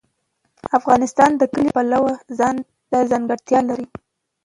افغانستان د کلي د پلوه ځانته ځانګړتیا لري.